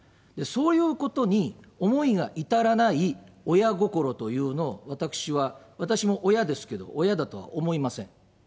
そういうことに思いが至らない親心というのを私は、私も親ですけど、親だと思いません。